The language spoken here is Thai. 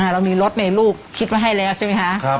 เรามีรถเมย์ลูกคิดไว้ให้แล้วใช่ไหมคะ